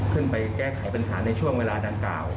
ขึ้นไปแก้ไขปัญหาในช่วงเวลานานเก่า